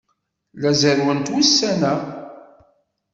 La zerrwent ussan-a.